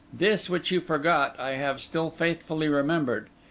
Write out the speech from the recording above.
This, which you forgot, I have still faithfully remembered.